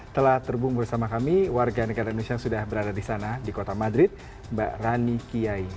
telah terhubung bersama kami warga negara indonesia yang sudah berada di sana di kota madrid mbak rani kiai